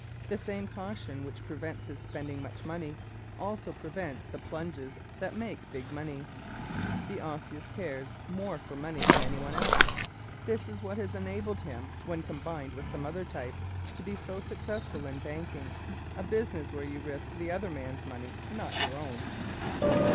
The same caution which prevents his spending much money also prevents the plunges that make big money. ¶ The Osseous cares more for money than any one else. This is what has enabled him, when combined with some other type, to be so successful in banking a business where you risk the other man's money, not your own.